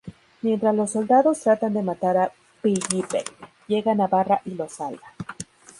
Mientras los soldados tratan de matar a Phillipe, llega Navarra y lo salva.